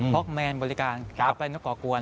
บอกแมนบริการกับไลนกกรกวน